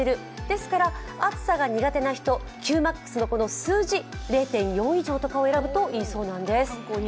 ですから、暑さが苦手な人、Ｑ−ｍａｘのこの数字、０．４以上とかを選ぶといいそうなんです。